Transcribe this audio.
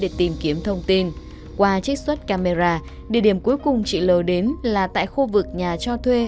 để tìm kiếm thông tin qua trích xuất camera địa điểm cuối cùng chị l đến là tại khu vực nhà cho thuê